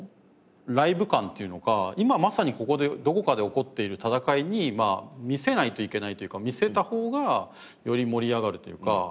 ライブ感というのか今まさにここでどこかで起こっている戦いに見せないといけないというか見せた方がより盛り上がるというか。